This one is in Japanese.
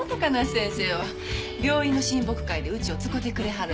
病院の親睦会でうちを使うてくれはるの。